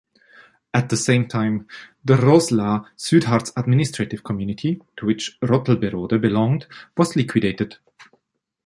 At the same time, the Roßla-Südharz administrative community, to which Rottleberode belonged, was liquidated.